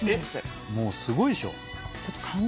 もうすごいでしょ？